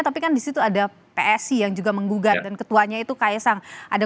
tapi kan di situ ada psi yang juga menggugat dan ketuanya itu kaisang